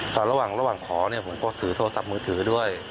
ตอนระหว่างขอผมก็ถือโทรศัพท์มือถือละด้วย